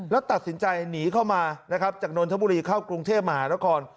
แล้วตัดสินใจหนีเข้ามานะครับจากนนทบุรีเข้ากรุงเทพมหานคร